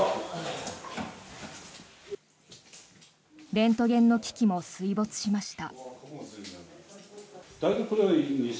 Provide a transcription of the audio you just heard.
レントゲンの機器も水没しました。